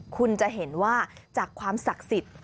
คุณจะเห็นว่าจากความศักดิ์สิทธิ์